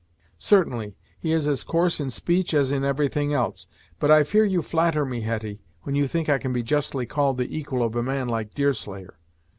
"Certainly, he is as coarse in speech as in everything else. But I fear you flatter me, Hetty, when you think I can be justly called the equal of a man like Deerslayer.